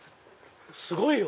すごいよ！